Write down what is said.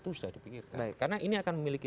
itu sudah dipikirkan karena ini akan memiliki